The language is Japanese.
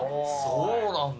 そうなんだ。